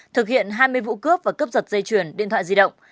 thực hiện hai mươi vụ cướp và cướp giật dây chuyền điện thoại di động